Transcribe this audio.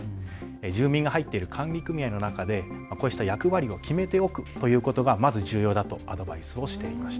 住民が入っている管理組合の中でこうした役割を決めておくということがまず重要だとアドバイスをしていました。